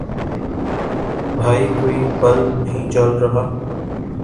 بھائی کوئی بلب نہیں جل رہا